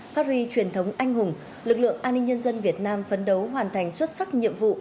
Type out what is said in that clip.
phát huy truyền thống anh hùng lực lượng an ninh nhân dân việt nam phấn đấu hoàn thành xuất sắc nhiệm vụ